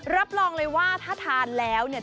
รับรองเลยว่าถ้าทานแล้วเนี่ย